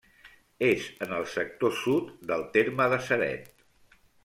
És en el sector sud del terme de Ceret.